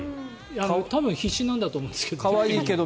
多分、必死なんだと思うんですけど。